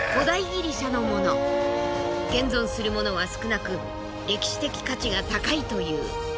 現存するものは少なく歴史的価値が高いという。